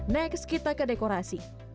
next kita ke dekorasi